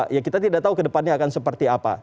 ya kita tidak tahu kedepannya akan seperti apa